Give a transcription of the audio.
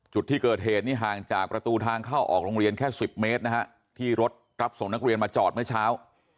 จุดที่เกิดเหตุนี้ห่างจากประตูทางเข้าออกโรงเรียนแค่๑๐เมตรนะฮะที่รถรับส่งนักเรียนมาจอดเมื่อเช้า